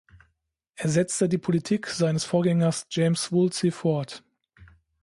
Er setzte die Politik seines Vorgängers James Woolsey fort.